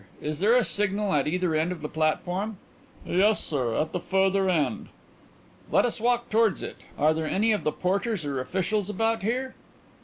Is there a signal at either end of the platform?" "Yes, sir; at the further end." "Let us walk towards it. Are there any of the porters or officials about here?"